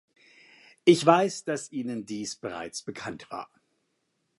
Ich weiß, dass Ihnen dies bereits bekannt war.